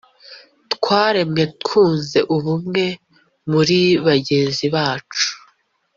twaremwe twunze ubumwe muri bagenzi bacu